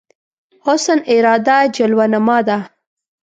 حسن اراده جلوه نما ده